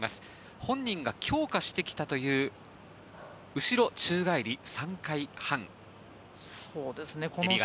本人が強化してきたという後ろ宙返り３回半エビ型。